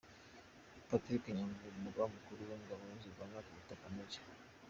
Patrick Nyamvumba, Umugaba Mukuru w’Ingabo zirwanira ku butaka, Maj.